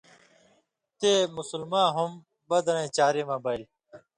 تے مسلماں ہُم بدرَیں چاری مہ بَیل۔